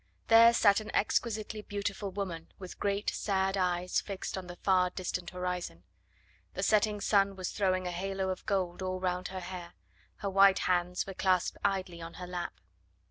There sat an exquisitely beautiful woman with great sad eyes fixed on the far distant horizon. The setting sun was throwing a halo of gold all round her hair, her white hands were clasped idly on her lap.